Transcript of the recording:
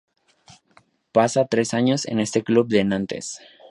Pasa tres años en este club de Nantes.